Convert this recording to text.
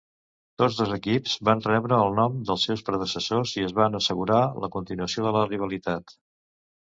Tots dos equips van rebre el nom dels seus predecessors i es van assegurar la continuació de la rivalitat.